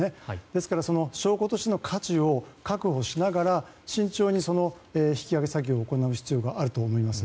ですから証拠としての価値を確保しながら慎重に引き揚げ作業を行う必要があると思います。